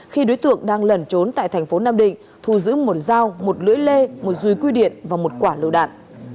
khi đối tượng đang lẩn trốn tại thành phố nam định thu giữ một dao một lưỡi lê một ruồi quy điện và một quả lựu đạn